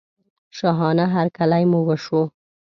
شاهانه هرکلی مو وشو.